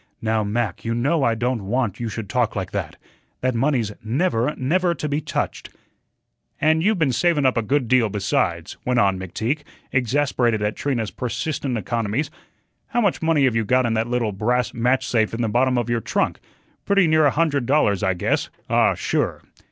"Now, Mac, you know I don't want you should talk like that. That money's never, never to be touched." "And you've been savun up a good deal, besides," went on McTeague, exasperated at Trina's persistent economies. "How much money have you got in that little brass match safe in the bottom of your trunk? Pretty near a hundred dollars, I guess ah, sure."